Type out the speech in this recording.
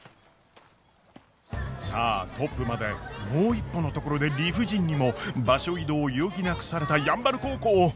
さあトップまでもう一歩のところで理不尽にも場所移動を余儀なくされた山原高校。